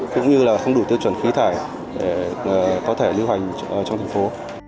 cũng như là không đủ tiêu chuẩn khí thải để có thể lưu hành trong thành phố